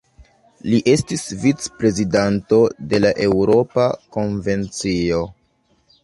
Li estis vicprezidanto de la Eŭropa Konvencio.